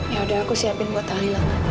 ya udah aku siapin buat tahlilan